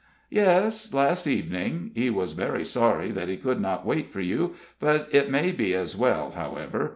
"Yes last evening. He was very sorry that he could not wait for you, but it may be as well, however.